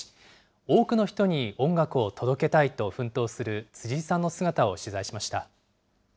多くの人に音楽を届けたいと奮闘する辻井さんの姿を取材しました。